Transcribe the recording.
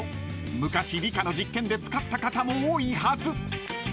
昔理科の実験で使った方も多いはず］